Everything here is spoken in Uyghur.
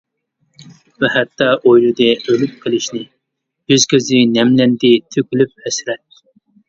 ۋە ھەتتا ئويلىدى ئۆلۈپ قېلىشنى، يۈز-كۆزى نەملەندى تۆكۈلۈپ ھەسرەت.